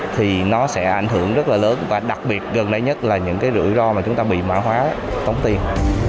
thì nó sẽ ảnh hưởng rất là lớn và đặc biệt gần đây nhất là những cái rủi ro mà chúng ta bị mã hóa tống tiền